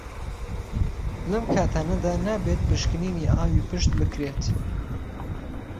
لەم کاتانەدا نابیت پشکنینی ئاوی پشت بکریت